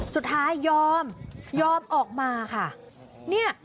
สุดท้ายยอมยอมออกมาค่ะเนี่ย